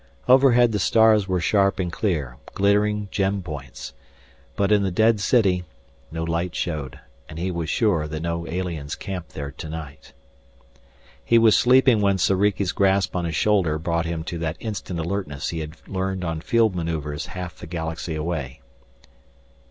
Overhead the stars were sharp and clear, glittering gem points. But in the dead city no light showed, and he was sure that no aliens camped there tonight. He was sleeping when Soriki's grasp on his shoulder brought him to that instant alertness he had learned on field maneuvers half the Galaxy away.